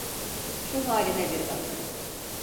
Şu hâline bir bak.